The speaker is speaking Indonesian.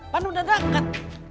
kan udah deket